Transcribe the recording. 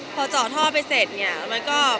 พอเจาะท่อไปเสร็จเนี่ยมันก็